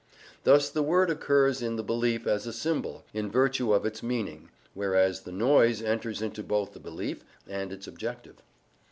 Thus the word occurs in the belief as a symbol, in virtue of its meaning, whereas the noise enters into both the belief and its objective.